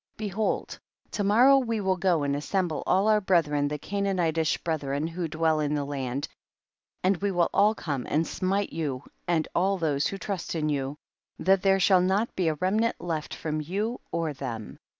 12. Behold to morrow we will go and assemble all our brethren the Ca naanitish brethren who dwell in the land, and we will all come and smite you and all those who trust in you, that there shall not be a remnant left from you or them.